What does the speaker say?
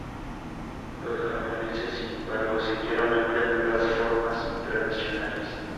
Los japoneses, sin embargo, siguieron empleando las formas tradicionales.